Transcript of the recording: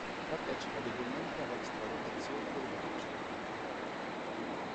Partecipa debolmente all'extrarotazione del braccio.